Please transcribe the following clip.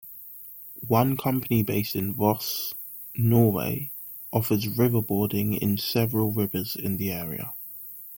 One company based in Voss, Norway, offers riverboarding in several rivers in the area.